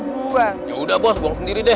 buang ya udah bos buang sendiri deh